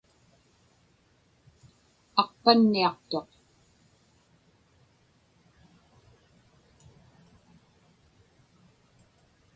Aqpanniaqtuq.